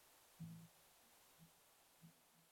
মাত্র সাত আট হাজার টাকা দিলেই পাওয়া যায় এক লাখ রুপি।